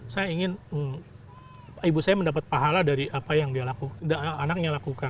saya ingin ibu saya mendapat pahala dari apa yang anaknya lakukan